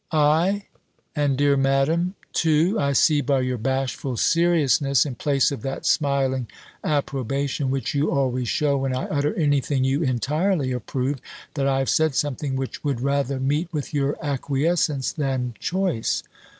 "Ay, and dear Madam too! I see by your bashful seriousness, in place of that smiling approbation which you always shew when I utter any thing you entirely approve, that I have said something which would rather meet with your acquiescence, than choice.